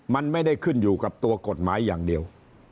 มันไม่ได้ขึ้นอยู่กับตัวกฎหมายอย่างเดียว